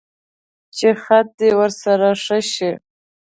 چې خط دې ورسره ښه شي.